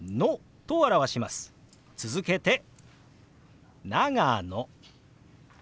続けて「長野」。